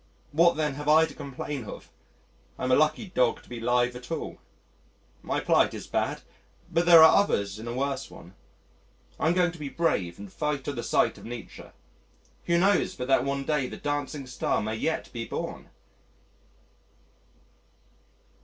What, then, have I to complain of? I'm a lucky dog to be alive at all. My plight is bad, but there are others in a worse one. I'm going to be brave and fight on the side of Nietzsche. Who knows but that one day the dancing star may yet be born!